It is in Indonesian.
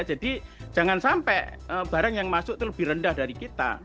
jadi jangan sampai barang yang masuk itu lebih rendah dari kita